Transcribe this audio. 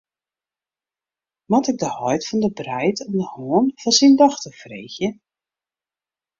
Moat ik de heit fan de breid om de hân fan syn dochter freegje?